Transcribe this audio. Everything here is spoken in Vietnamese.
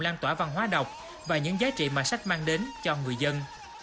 lan tỏa văn hóa đọc và những giá trị mà sách mang đến cho người dân